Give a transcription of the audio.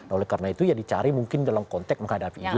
oleh karena itu ya dicari mungkin dalam konteks menghadapi itu